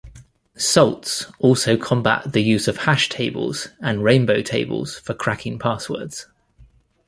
Salts also combat the use of hash tables and rainbow tables for cracking passwords.